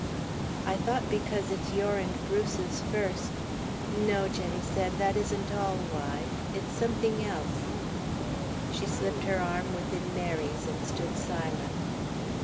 "I thought because it's your and Bruce's first " "No," Jenny said, "that isn't all why. It's something else." She slipped her arm within Mary's and stood silent.